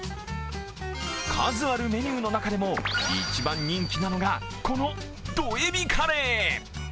数あるメニューの中でも、一番人気なのが、このど海老カレー。